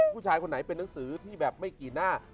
ผู้ชายคนไหนเป็นหนังสือที่แบบไม่กี่หน้า